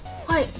はい。